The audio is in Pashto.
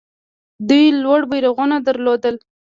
دوی لوړ بیرغونه درلودل